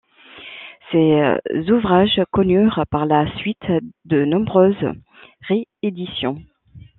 Ses ouvrages connurent par la suite de nombreuses rééditions.